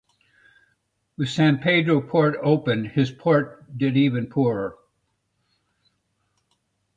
With San Pedro port open his port did even poorer.